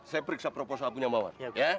saya periksa proposal punya mawar